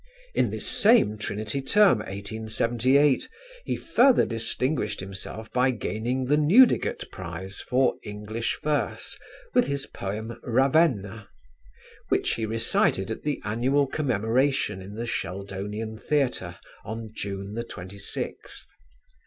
In this same Trinity term, 1878, he further distinguished himself by gaining the Newdigate prize for English verse with his poem "Ravenna," which he recited at the annual Commemoration in the Sheldonian Theatre on June 26th.